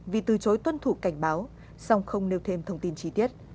vì từ chối tuân thủ cảnh báo song không nêu thêm thông tin chi tiết